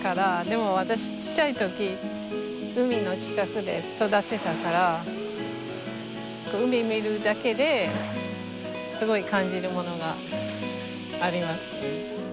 でも私ちっちゃい時海の近くで育ってたから海見るだけですごい感じるものがありますね。